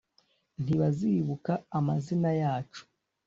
ntibazibuka amazina yacu,